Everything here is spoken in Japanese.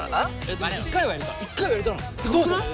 すごくない！？